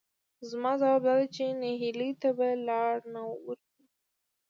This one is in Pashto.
زما ځواب دادی چې نهیلۍ ته به لار نه ورکوو،